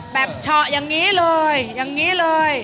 เฉาะอย่างนี้เลยอย่างนี้เลย